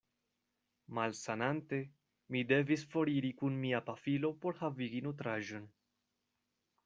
Malsanante, mi devis foriri kun mia pafilo por havigi nutraĵon.